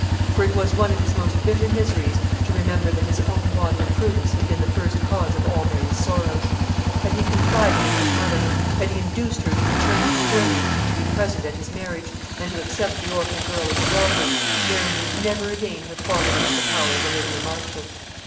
For it was one of his most bitter miseries to remember that his own want of prudence had been the first cause of all Mary's sorrows. Had he confided in his mother, had he induced her to return from Germany to be present at his marriage, and to accept the orphan girl as a daughter, Mary need never again have fallen into the power of Olivia Marchmont.